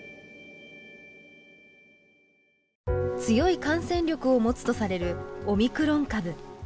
強い感染力を持つとされるオミクロン株。